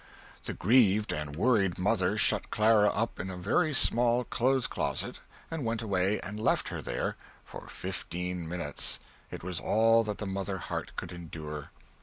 The grieved and worried mother shut Clara up in a very small clothes closet and went away and left her there for fifteen minutes it was all that the mother heart could endure.